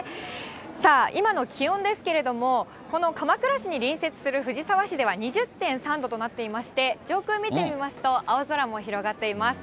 さあ、今の気温ですけれども、この鎌倉市に隣接する藤沢市では２０．３度となっていまして、上空見てみますと、青空も広がっています。